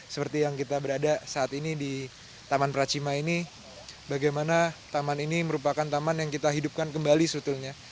seperti yang kita berada saat ini di taman pracima ini bagaimana taman ini merupakan taman yang kita hidupkan kembali sebetulnya